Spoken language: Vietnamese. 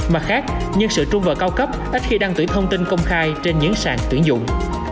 mặt khác nhân sự trung vào cao cấp ít khi đăng tuyển thông tin công khai trên những sàn tuyển dụng